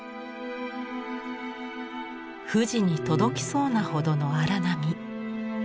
富士に届きそうなほどの荒波。